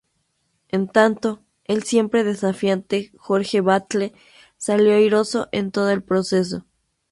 En tanto, el siempre desafiante Jorge Batlle salió airoso en todo el proceso.